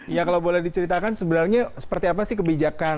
ya kalau boleh diceritakan sebenarnya seperti apa sih kebijakan